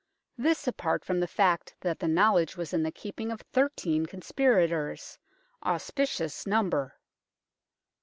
This apart from the fact that the knowledge was in the keeping of thirteen conspirators auspicious number